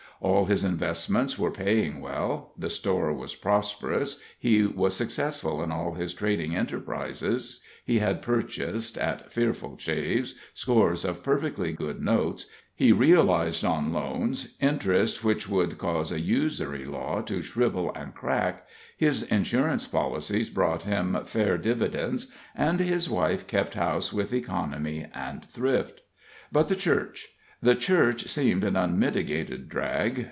All his investments were paying well: the store was prosperous, he was successful in all his trading enterprises, he had purchased, at fearful shaves, scores of perfectly good notes, he realized on loans interest which would cause a usury law to shrivel and crack, his insurance policies brought him fair dividends, and his wife kept house with economy and thrift. But the church the church seemed an unmitigated drag.